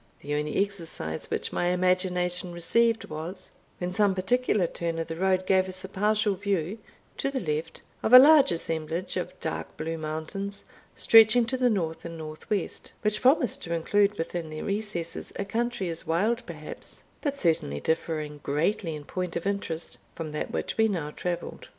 The only exercise which my imagination received was, when some particular turn of the road gave us a partial view, to the left, of a large assemblage of dark blue mountains stretching to the north and north west, which promised to include within their recesses a country as wild perhaps, but certainly differing greatly in point of interest, from that which we now travelled.